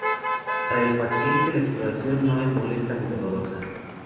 Para el paciente la exploración no es molesta ni dolorosa.